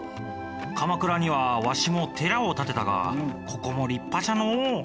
鎌倉にはわしも寺を建てたがここも立派じゃのう。